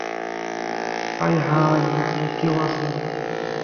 আয় হায়, ওখানে কেউ আছেন?